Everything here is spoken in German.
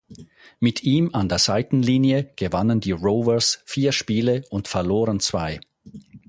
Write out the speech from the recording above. Mit ihm an der Seitenlinie gewannen die Rovers vier Spiele und verloren zwei.